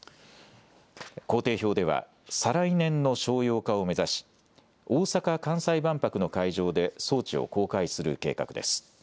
工程表では再来年の商用化を目指し大阪・関西万博の会場で装置を公開する計画です。